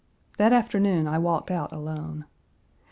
That afternoon I walked out alone.